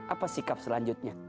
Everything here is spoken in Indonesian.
apa sikap selanjutnya